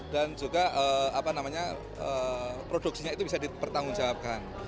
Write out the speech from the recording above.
dan juga produksinya itu bisa dipertanggungjawabkan